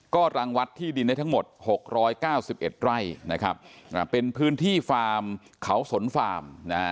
ก็รังวัดที่ดินในทั้งหมด๖๙๑ไร่เป็นพื้นที่ขาวสนฟาร์ม